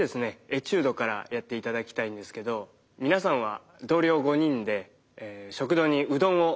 エチュードからやっていただきたいんですけど皆さんは同僚５人で食堂にうどんを食べに来ました。